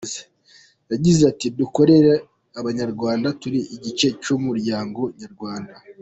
Yagize ati “Dukorera Abanyarwanda, turi igice cy’umuryango Nyarwanda.